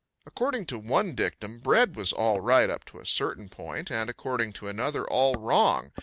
According to one dictum, bread was all right up to a certain point, and, according to another, all wrong.